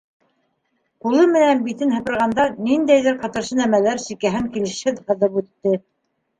Ҡулы менән битен һыпырғанда ниндәйҙер ҡытыршы нәмәләр сикәһен килешһеҙ һыҙып үтте.